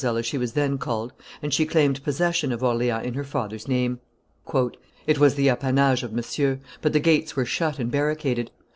as she was then called; and she claimed possession of Orleans in her father's name. "It was the appanage of Monsieur; but the gates were shut and barricaded.